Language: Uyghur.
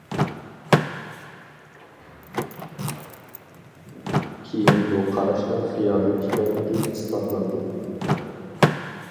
كېيىن بۇ قاراشنىڭ خىيالىي ئىكەنلىكى ئىسپاتلاندى.